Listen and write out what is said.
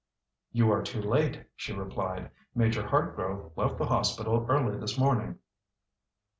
"You are too late," she replied. "Major Hartgrove left the hospital early this morning."